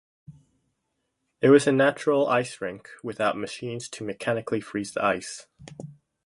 It was a natural ice rink without machines to mechanically freeze the ice.